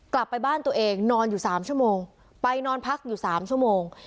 กลับไปบ้านตัวเองนอนอยู่๓ชั่วโมงไปนอนพักอยู่๓ชั่วโมง